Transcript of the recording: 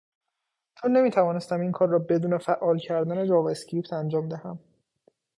چون نمیتوانستم این کار را بدون فعال کردن جاوااسکریپت انجام دهم